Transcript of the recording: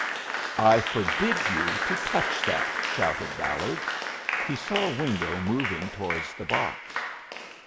"I forbid you to touch that!" shouted Ballard. He saw Wingo moving towards the box.